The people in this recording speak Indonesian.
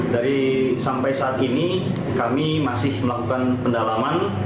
dari sampai saat ini kami masih melakukan pendalaman